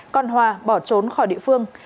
còn hòa bỏ trốn khỏi địa phương